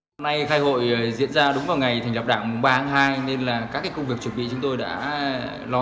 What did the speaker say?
hôm nay khai hội diễn ra đúng vào ngày thành lập đảng ba tháng hai nên là các công việc chuẩn bị chúng tôi đã lo